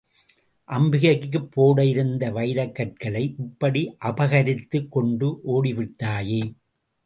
அம்பிகைக்குப் போட இருந்த வைரக்கற்களை, இப்படி அபகரித்துக் கொண்டு ஓடிவிட்டாயே!